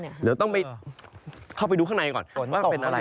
เดี๋ยวต้องไปเข้าไปดูข้างในก่อนว่าเป็นอะไร